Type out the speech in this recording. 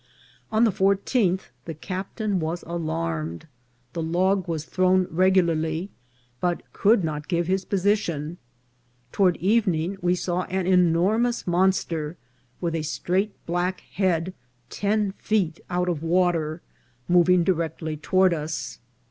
On the fourteenth the captain was alarmed. The log was thrown regularly, but could not give his position. Toward evening we saw an enormous monster, with a straight black head ten feet out of water, moving di rectly toward us.